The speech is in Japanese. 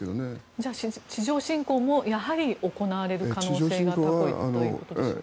じゃあ、地上侵攻もやはり行われる可能性が高いということですか？